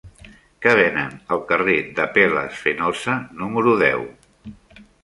Què venen al carrer d'Apel·les Fenosa número deu?